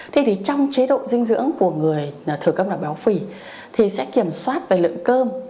thế thì trong chế độ dinh dưỡng của người thử cấp là béo phỉ thì sẽ kiểm soát về lượng cơm